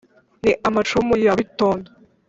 ni amacumu ya bitondo